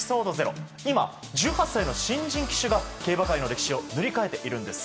今、１８歳の新人騎手が競馬界の歴史を塗り替えているんです。